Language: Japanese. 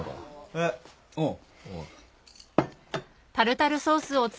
えっうん。